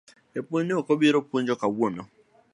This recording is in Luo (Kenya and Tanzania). Japuonj ne ok obiro puonjo kawuono